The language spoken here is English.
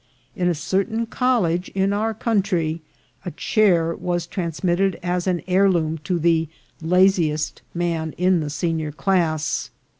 In a certain college in our country a chair was transmitted as an heirloom to the laziest man in the senior class.